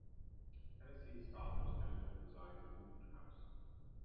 Hennessy Scholars generally reside in Wotton house.